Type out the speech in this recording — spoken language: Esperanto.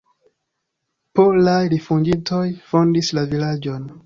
Polaj rifuĝintoj fondis la vilaĝon.